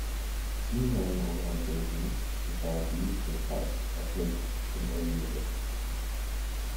Student run organizations, societies, and clubs are present in Air University.